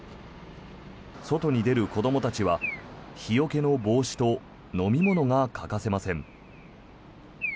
外に出る子どもたちは日よけの帽子と飲み物が欠かせません。